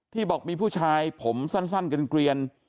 บอกมีผู้ชายผมสั้นเกลียน